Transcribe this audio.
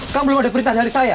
kan belum ada perintah dari saya